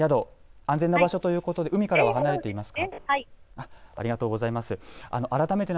安全な場所ということで海からは離れていますか。